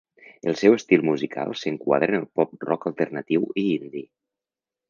El seu estil musical s'enquadra en el pop-rock alternatiu i indie.